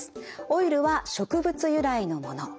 オイルは植物由来のもの。